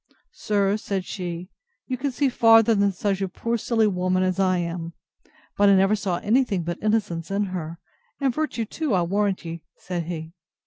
Sir, said she, you can see farther than such a poor silly woman as I am; but I never saw any thing but innocence in her—And virtue too, I'll warrant ye! said he.